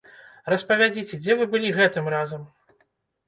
Распавядзіце, дзе вы былі гэтым разам?